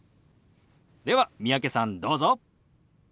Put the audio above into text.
では三宅さんどうぞ。